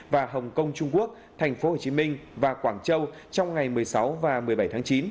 và hồng kông trung quốc tp hcm và quảng châu trong ngày một mươi sáu và một mươi bảy tháng chín